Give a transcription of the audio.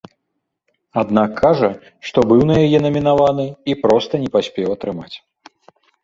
Аднак кажа, што быў на яе намінаваны і проста не паспеў атрымаць.